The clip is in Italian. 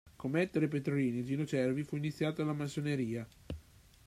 Come Ettore Petrolini e Gino Cervi, fu iniziato alla Massoneria.